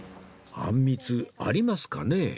あんみつありますかね？